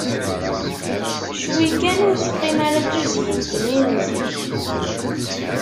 Ccwi kan ur teqqim ara d tuzyint-nni n zik.